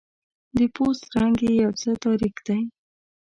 د پوست رنګ یې یو څه تاریک دی.